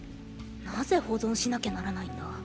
なぜ保存しなきゃならないんだ？